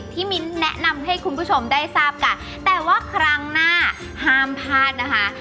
มิ้นแนะนำให้คุณผู้ชมได้ทราบกันแต่ว่าครั้งหน้าห้ามพลาดนะคะ